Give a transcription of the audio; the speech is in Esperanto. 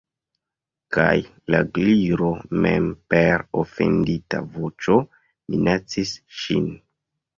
Kaj la Gliro mem per ofendita voĉo minacis ŝin.